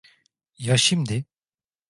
Ya şimdi?